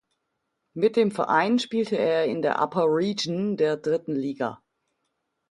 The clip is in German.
Mit dem Verein spielte er in der Upper Region der Dritten Liga.